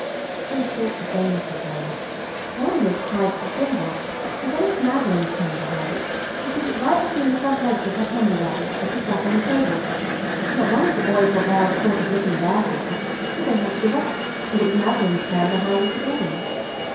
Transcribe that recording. All sorts of games were played. One was "hide the thimble," and when it was Madeline's turn to hide it she put it right between the front legs of her Candy Rabbit as he sat on the table. Not one of the boys or girls thought of looking there for it, so they had to give up, and it was Madeline's turn to hide it again.